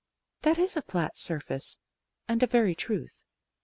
That is a flat surface and a very truth.